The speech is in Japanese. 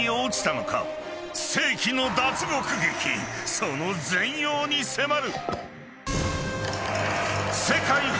［その全容に迫る！］